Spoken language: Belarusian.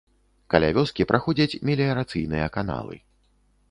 Каля вёскі праходзяць меліярацыйныя каналы.